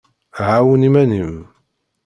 Ɛawen iman-im.